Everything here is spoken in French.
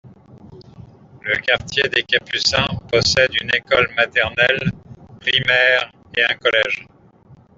Le quartier des Capucins possède une école maternelle, primaire et un collège.